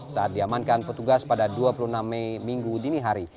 saat diamankan petugas pada dua puluh enam mei minggu dini hari